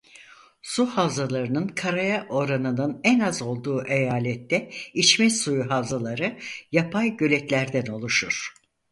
Su havzalarının karaya oranının en az olduğu eyalette içme suyu havzaları yapay göletlerden oluşur.